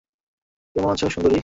ওর কাছে জিজ্ঞেস করো তো।